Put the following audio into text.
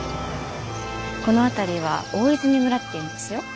この辺りは大泉村っていうんですよ。